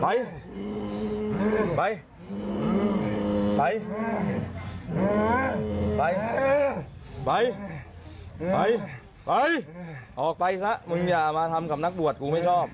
ไปไปไปออกไปซะมึงอย่ามาทำกับนักบวชกูไม่ชอบ